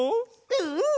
うん！